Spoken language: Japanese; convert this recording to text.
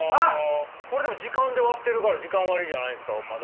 これでも時間で割ってるから時間割じゃないんですかまだ。